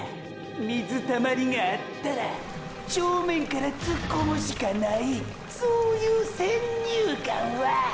“水たまりがあったら正面から突っ込むしかない”ーーそういう先入観は！！